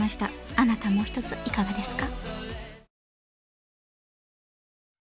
あなたもおひとついかがですか？